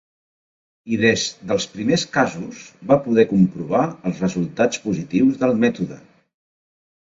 I des dels primers casos va poder comprovar els resultats positius del mètode.